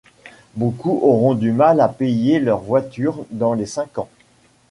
Beaucoup auront du mal à payer leur voiture dans les cinq ans.